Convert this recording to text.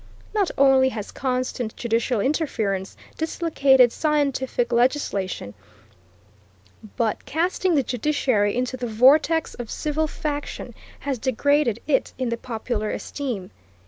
Not only has constant judicial interference dislocated scientific legislation, but casting the judiciary into the vortex of civil faction has degraded it in the popular esteem.